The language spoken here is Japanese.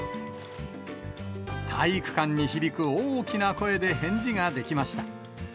体育館に響く、大きな声で返事ができました。